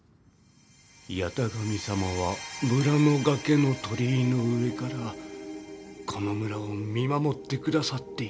八咫神様は村の崖の鳥居の上からこの村を見守ってくださっています。